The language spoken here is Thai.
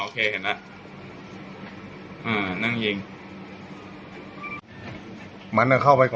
พี่เจมส์นั่งปืนไม่ได้